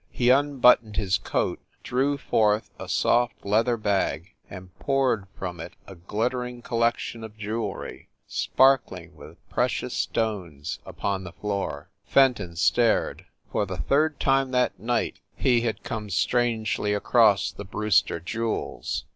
He unbuttoned his coat, drew forth a soft leather bag, and poured from it a glittering collection of jewelry, sparkling with precious stones, upon the floor. Fenton stared. For the third time that night he had come strangely across the Brewster jewels!